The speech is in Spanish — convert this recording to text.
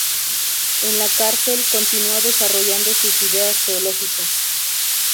En la cárcel, continuó desarrollando sus ideas teológicas.